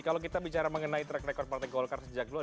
kalau kita bicara mengenai track record partai golkar sejak dulu